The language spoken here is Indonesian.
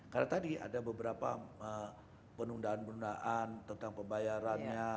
karena tadi ada beberapa penundaan penundaan tentang pembayarannya